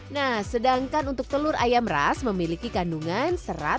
nah sedangkan untuk telur ayam ras memiliki kandungan serat